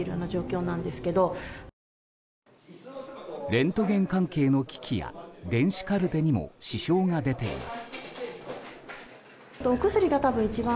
レントゲン関係の機器や電子カルテにも支障が出ています。